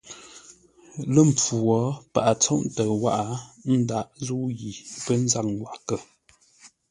Lə́ mpfu wo; paghʼə tsóʼ ntəʉ wághʼə ə́ ndághʼ zə̂u yi pə́ nzâŋ wághʼə.